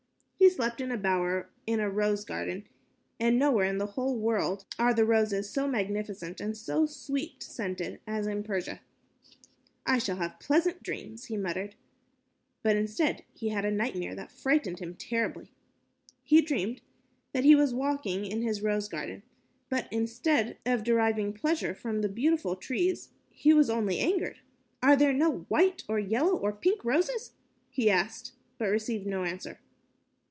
He slept in a bower in a rose garden, and nowhere in the world are the roses so magnificent and so sweet scented as in Persia. "I shall have pleasant dreams," he muttered, but instead he had a nightmare that frightened him terribly. He dreamed that he was walking in his rose garden, but instead of deriving pleasure from the beautiful trees, he was only angered. "Are there no white, or yellow, or pink roses?" he asked, but received no answer.